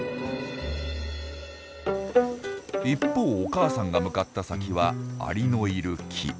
一方お母さんが向かった先はアリのいる木。